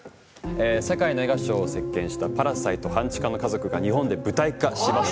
世界の映画賞を席巻した『パラサイト半地下の家族』が日本で舞台化します。